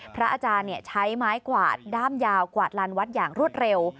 พระอาจารย์ใช้ไม้กวาดด้ามยาวกวาดลานวัดอย่างรวดเร็ว